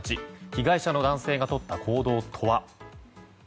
被害者の男性がとった行動とは。